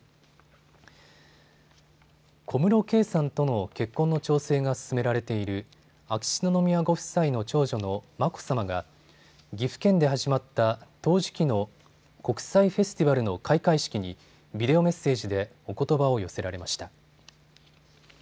小室圭さんとの結婚の調整が進められている秋篠宮ご夫妻の長女の眞子さまが岐阜県で始まった陶磁器の国際フェスティバルの開会式にビデオメッセージでおことばを寄せられました。